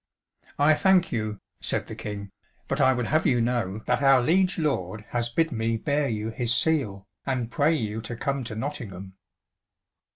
"I thank you," said the King, "but I would have you know that our liege lord has bid me bear you his seal, and pray you to come to Nottingham."